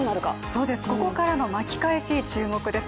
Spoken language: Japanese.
そうです、ここからの巻き返し、注目です。